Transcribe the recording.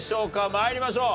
参りましょう。